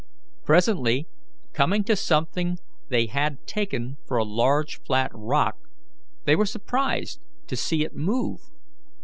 Presently, coming to something they had taken for a large flat rock, they were surprised to see it move.